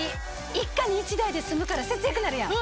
一家に一台で済むから節約になるやん。